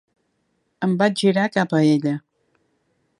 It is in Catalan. Em vaig girar cap a ella.